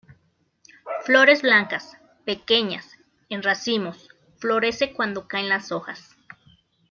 Flores blancas, pequeñas, en racimos, florece cuando caen las hojas.